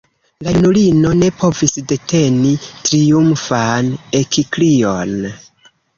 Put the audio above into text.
La junulino ne povis deteni triumfan ekkrion.